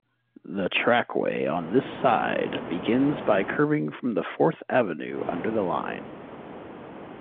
The trackway on this side begins by curving from Fourth Avenue under the line.